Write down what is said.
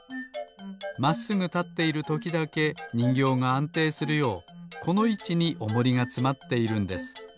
まっすぐたっているときだけにんぎょうがあんていするようこのいちにおもりがつまっているんです。